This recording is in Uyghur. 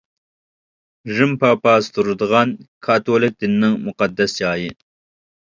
رىم پاپاسى تۇرىدىغان، كاتولىك دىنىنىڭ مۇقەددەس جايى.